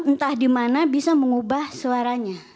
entah di mana bisa mengubah suaranya